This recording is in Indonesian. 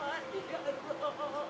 lindungilah allah ya allah